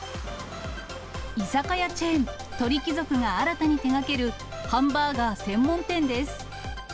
居酒屋チェーン、鳥貴族が新たに手掛けるハンバーガー専門店です。